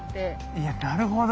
いやなるほど。